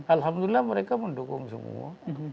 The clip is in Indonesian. alhamdulillah mereka mendukung semua